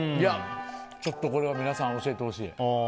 ちょっとこれは皆さんに教えてほしい。